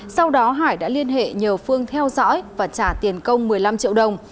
sau đó hải đã liên hệ nhờ phương theo dõi và trả tiền công một mươi năm triệu đồng